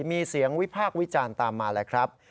มีเสียงวิพากษ์วิจารณ์ตามมาแหละครับ